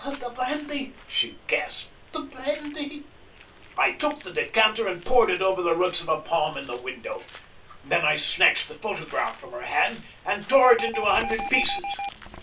"The brandy!" she gasped. "The brandy!" I took the decanter and poured it over the roots of a palm in the window. Then I snatched the photograph from her hand and tore it into a hundred pieces.